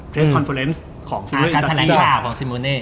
เพลสคอนเฟอร์เรนส์ของซิมโมเน่